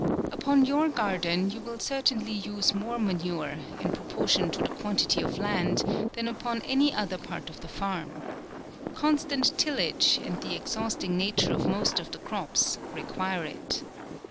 Upon your garden you will certainly use more manure, in proportion to the quantity of land, than upon any other part of the farm. Constant tillage, and the exhausting nature of most of the crops, require it.